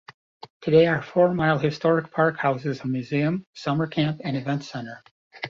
Today Four Mile Historic Park houses a museum, summer camp, and events center.